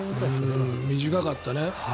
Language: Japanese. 短かったね。